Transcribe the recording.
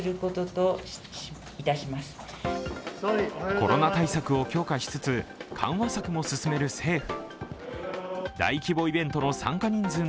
コロナ対策を強化しつつ緩和策も進める政府。